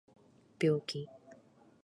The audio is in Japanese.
病気